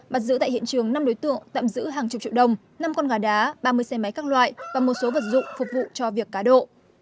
bắt giữ tại hiện trường năm đối tượng tạm giữ hàng chục triệu đồng năm con gà đá ba mươi xe máy các loại và một số vật dụng phục vụ cho việc cá độ